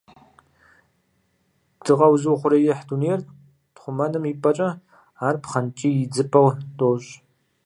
Дыкъэузыухъуреихь дунейр тхъумэным и пӏэкӏэ, ар пхъэнкӏий идзыпӏэ дощӏ.